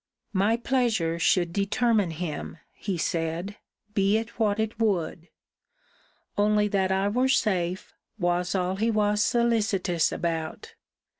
My pleasure should determine him, he said, be it what it would. Only that I were safe, was all he was solicitous about.